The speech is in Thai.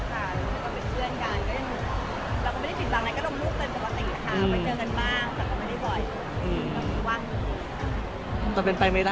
กรรมเลือกให้เกรียมเองไหมค่ะ